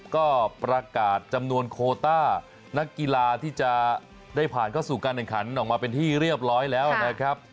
ก็ประกาศจำนวนโคต้านักกีฬาที่จะได้ผ่านเข้าสู่การแข่งขันออกมาเป็นที่เรียบร้อยแล้วนะครับ